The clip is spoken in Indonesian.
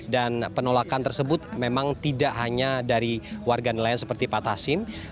dan penolakan tersebut memang tidak hanya dari warga nelayan seperti pak tasim